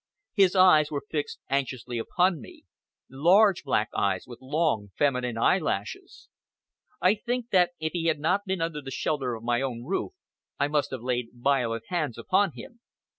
His eyes were fixed anxiously upon me large black eyes with long, feminine eyelashes. I think that if he had not been under the shelter of my own roof, I must have laid violent hands upon him.